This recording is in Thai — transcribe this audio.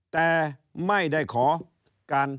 แต่ไม่ได้ขอการ